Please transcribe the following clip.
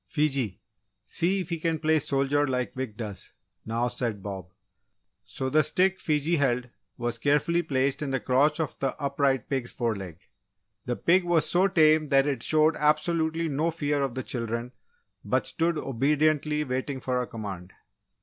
"Fiji, see if he can play soldier like Wick does?" now said Bob. So, the stick Fiji held was carefully placed in the crotch of the upright pig's foreleg. The pig was so tame that it showed absolutely no fear of the children but stood obediently waiting for a command.